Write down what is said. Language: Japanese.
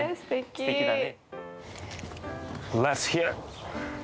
すてきだね。